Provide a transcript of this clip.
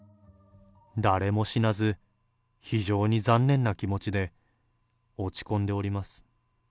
誰も死なず、非常に残念な気持ちで落ち込んでおります。